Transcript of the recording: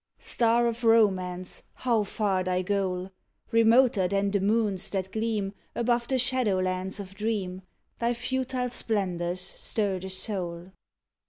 Star of romance, how far thy goal ! Remoter than the moons that gleam Above the shadow lands of dream, Thy futile splendors stir the soul.